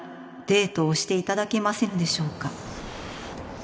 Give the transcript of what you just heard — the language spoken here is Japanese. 「デートをして頂けませぬでしょうか？」